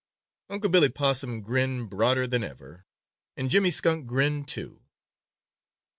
Unc' Billy Possum grinned broader than ever, and Jimmy Skunk grinned, too.